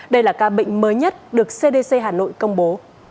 đây là ca bệnh mới nhất được cdc hà nội công bố